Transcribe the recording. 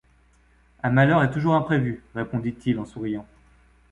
Un malheur est toujours imprévu, répondit-il en souriant.